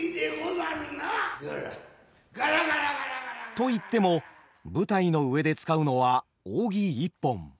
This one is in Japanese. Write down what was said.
といっても舞台の上で使うのは扇一本。